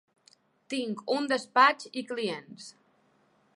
Tinc un despatx i clients.